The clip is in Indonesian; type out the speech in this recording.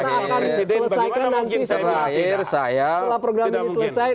kita akan selesaikan nanti setelah program ini selesai